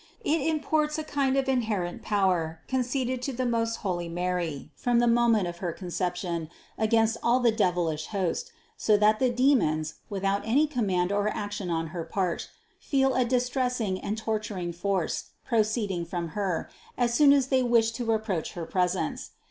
It imports a kind of inherent power conceded to the most holy Mary from the moment of her Conception against all the devil ish host, so that the demons, without any command or action on her part, feel a distressing and torturing force proceeding from Her, as soon as they wish to approach 240 CITY OF GOD her presence.